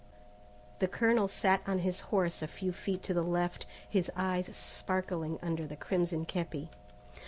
The colonel sat on his horse a few feet to the left, his eyes sparkling under the crimson képi.